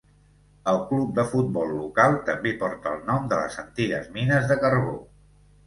El club de futbol local també porta el nom de les antigues mines de carbó.